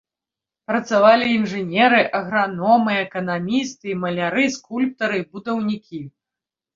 Працавалі інжынеры, аграномы, эканамісты, маляры, скульптары, будаўнікі.